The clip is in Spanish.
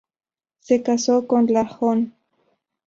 Se casó con la hon.